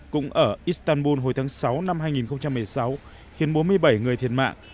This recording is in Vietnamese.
cũng ở istanbul hồi tháng sáu năm hai nghìn một mươi sáu khiến bốn mươi bảy người thiệt mạng